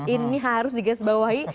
ini harus diges bawahi